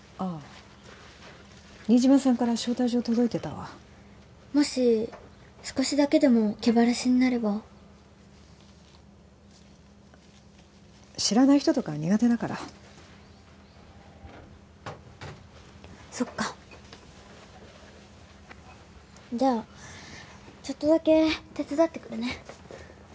あ新島さんから招待状届いてたわもし少しだけでも気晴らしになれば知らない人とか苦手だからそっかじゃあちょっとだけ手伝ってくるね